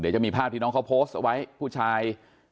เดี๋ยวจะมีภาพที่น้องเขาโพสต์เอาไว้ผู้ชาย